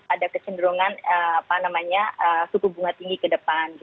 ada kecenderungan apa namanya suku bunga tinggi ke depan gitu